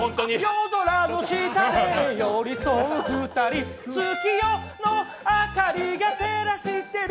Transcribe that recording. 夜空の下で寄り添う二人月夜の明里が照らしてる